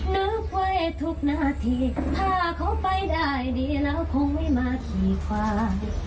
นึกไว้ทุกนาทีถ้าเขาไปได้ดีแล้วคงไม่มาขี่ควาย